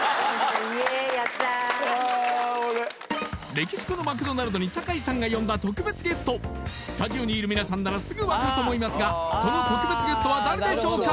メキシコのマクドナルドに酒井さんが呼んだ特別ゲストスタジオにいるみなさんならすぐ分かると思いますがその特別ゲストは誰でしょうか？